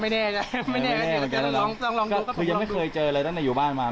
มันก็ไม่แน่ไม่แน่ไม่แน่ลองลองดูคือยังไม่เคยเจอเลยตั้งแต่อยู่บ้านมา